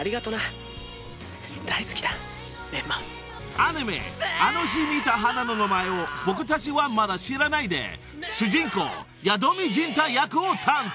［アニメ『あの日見た花の名前を僕達はまだ知らない。』で主人公宿海仁太役を担当］